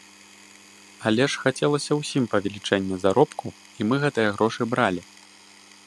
Але ж хацелася ўсім павелічэння заробку і мы гэтыя грошы бралі!